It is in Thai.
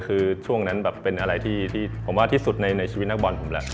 คือช่วงนั้นแบบเป็นอะไรที่ผมว่าที่สุดในชีวิตนักบอลผมแหละ